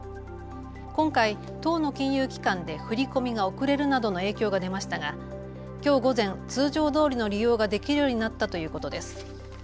今回１０の金融機関で振り込みが遅れるなどの影響が出ましたがきょう午前、通常どおりの利用ができるようになったということです。